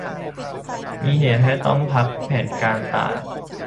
มีเหตุให้ต้องพักแผนการต่าง